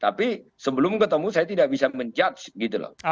tapi sebelum ketemu saya tidak bisa menjudge gitu loh